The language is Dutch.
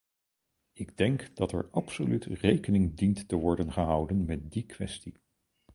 Ik denk dat er absoluut rekening dient te worden gehouden met die kwestie.